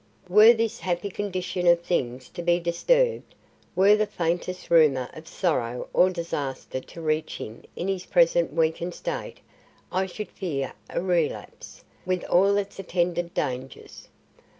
Were this happy condition of things to be disturbed, were the faintest rumour of sorrow or disaster to reach him in his present weakened state, I should fear a relapse, with all its attendant dangers.